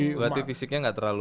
berarti fisiknya gak terlalu